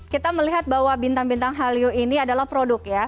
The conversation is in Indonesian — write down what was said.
kita melihat bahwa bintang bintang hallyu ini adalah produk ya